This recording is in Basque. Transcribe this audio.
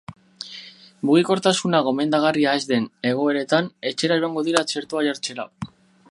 Mugikortasuna gomendagarria ez den egoeretan, etxera joango dira txertoa jartzera.